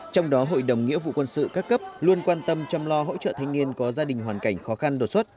trong đó hội đồng nghĩa vụ quân sự các cấp luôn quan tâm chăm lo hỗ trợ thanh niên có gia đình hoàn cảnh khó khăn đột xuất